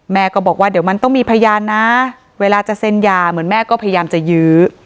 แม่ก็บอกว่าเดี๋ยวมันต้องมีพยานนะเวลาจะเซ็นยาเหมือนแม่ก็พยายามจะยื้อ